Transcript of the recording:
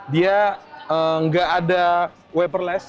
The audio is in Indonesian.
dia gak ada wiperless